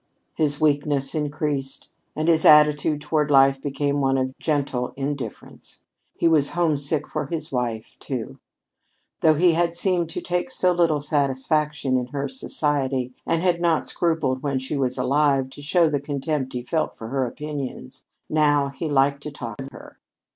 His weakness increased, and his attitude toward life became one of gentle indifference. He was homesick for his wife, too. Though he had seemed to take so little satisfaction in her society, and had not scrupled when she was alive to show the contempt he felt for her opinions, now he liked to talk of her.